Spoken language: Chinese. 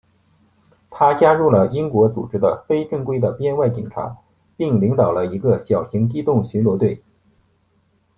他加入了英国组织的非正规的编外警察并领导了一个小型机动巡逻队。